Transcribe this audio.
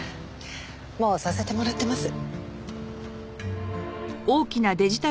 もうさせてもらってます。